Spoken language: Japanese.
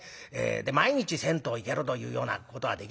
毎日銭湯行けるというようなことはできなかったですね。